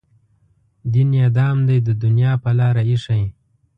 دین یې دام دی د دنیا په لاره ایښی.